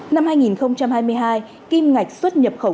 năm hai nghìn hai mươi hai kim ngạch xuất nhập khẩu